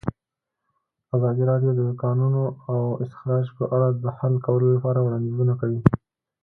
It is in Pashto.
ازادي راډیو د د کانونو استخراج په اړه د حل کولو لپاره وړاندیزونه کړي.